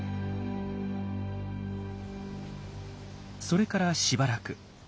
それからしばらく。